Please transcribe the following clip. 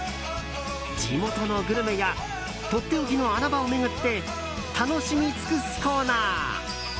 地元のグルメやとっておきの穴場を巡って楽しみ尽くすコーナー。